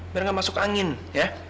biar nggak masuk angin ya